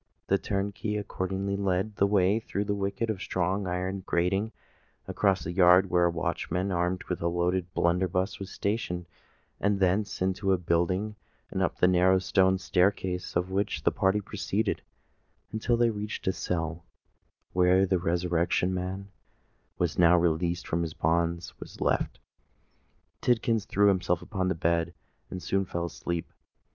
The turnkey accordingly led the way through the wicket of a strong iron grating, across a yard where a watchman armed with a loaded blunderbuss was stationed, and thence into a building, up the narrow stone staircase of which the party proceeded, until they reached a cell, where the Resurrection Man, who was now released from his bonds, was left. Tidkins threw himself upon the bed and soon fell asleep.